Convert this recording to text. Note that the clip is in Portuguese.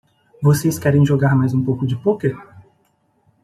Vocês querem jogar mais um pouco de pôquer?